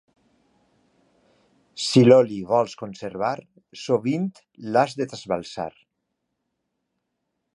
Si l'oli vols conservar, sovint l'has de trasbalsar.